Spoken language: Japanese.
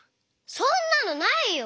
そんなのないよ！